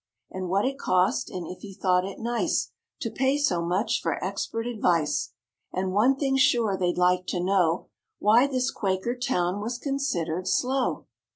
And what it cost and if he thought it nice To pay so much for expert advice ? And one thing sure they'd like to know Why this Quaker town was considered slow?